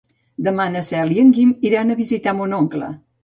Demà na Cel i en Guim iran a visitar mon oncle.